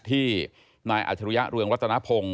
ที่นายอัจฉริยะเรืองรัตนพงศ์